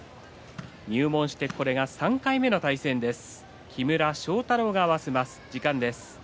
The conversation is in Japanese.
入門して３回目の対戦です。